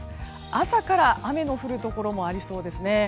朝から雨の降るところもありそうですね。